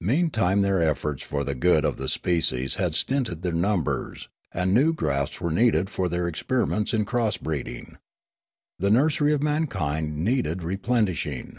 Meantime their efforts for the good of the species had stinted their numbers, and new grafts were needed for their experiments in cross breeding. The nursery of mankind needed replenishing.